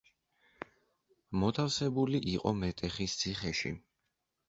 მოთავსებული იყო მეტეხის ციხეში.